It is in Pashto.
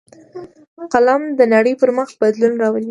قلم د نړۍ پر مخ بدلون راولي